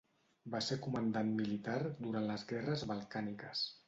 Va ser comandant militar durant les Guerres Balcàniques.